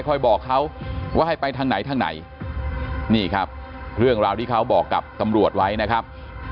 บอกเขาว่าให้ไปทางไหนทางไหนนี่ครับเรื่องราวที่เขาบอกกับตำรวจไว้นะครับ